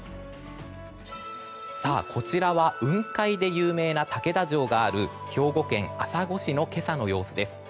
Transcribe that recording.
こちらは、雲海で有名な竹田城がある兵庫県朝来市の今朝の様子です。